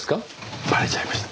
バレちゃいました。